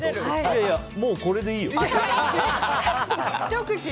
いやいや、もうこれでいいよ。